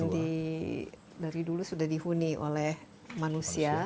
dari dulu sudah dihuni oleh manusia